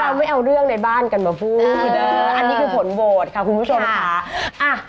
เราไม่เอาเรื่องในบ้านกันมาพูดอันนี้คือผลโหวตค่ะคุณผู้ชมค่ะ